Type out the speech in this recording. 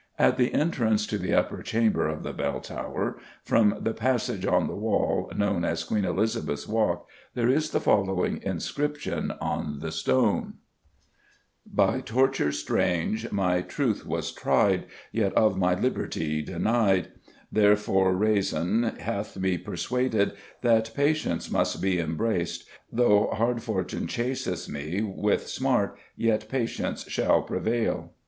At the entrance to the upper chamber of the Bell Tower from the passage on the wall, known as Queen Elizabeth's Walk, there is the following inscription on the stone: BI·TORTVRE·STRAVNGE·MY·TROVTH·WAS·TRIED·YET OF·MY·LIBERTY·DENIED: THER·FOR·RESON·HATH·ME PERSWADED THAT PASYENS MVST BE YMBRASYD: THOGH HARD·FORTVNE·CHASYTH·ME·WYTH·SMART·YET·PASYENS SHALL·PREVAYL.